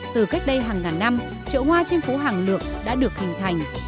từ cách đây hàng ngàn năm chợ hoa trên phố hàng lược đã được hình thành